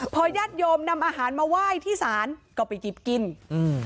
พอญาติโยมนำอาหารมาไหว้ที่ศาลก็ไปหยิบกินอืม